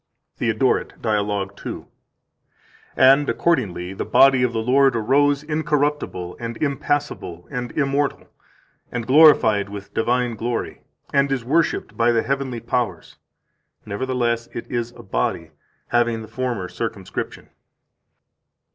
159 THEODORET, Dialog 2 (t. 4, f. 82 and 112): "And accordingly the body of the Lord arose incorruptible and impassible and immortal, and glorified with divine glory, and is worshiped by the heavenly powers. Nevertheless, it is a body, having the former circumscription."